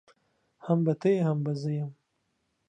هم به ته يې هم به زه يم.